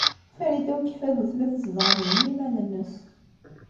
Farida n Ukeffadu tella tezdeɣ din i yiman-nnes.